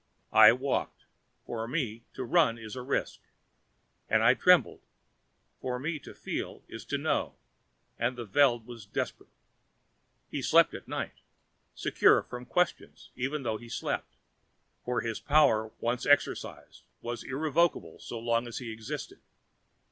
I walked for me, to run is to risk and I trembled, for me to feel is to know, and the Veld was desperate. He slept at night, secure from questions even though he slept, for his power once exercised was irrevocable so long as he existed.